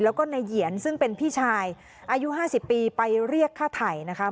แล้วก็นายเหยียนซึ่งเป็นพี่ชายอายุ๕๐ปีไปเรียกฆ่าไถ่นะคะ